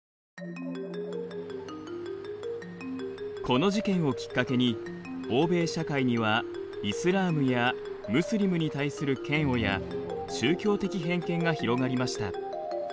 この事件をきっかけに欧米社会にはイスラームやムスリムに対する嫌悪や宗教的偏見が広がりました。